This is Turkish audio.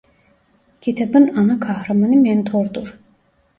Kitabın ana kahramanı Mentor'dur.